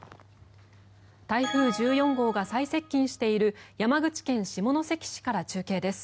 台風１４号が最接近している山口県下関市から中継です。